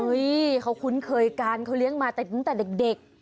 เห้ยเขาคุ้นเคยการเขาเลี้ยงมาหรือจากเด็ก